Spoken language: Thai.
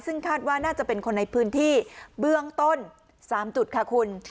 ซึ่งคาดว่าน่าจะเป็นคนในพื้นที่เบื้องต้น๓จุดค่ะคุณ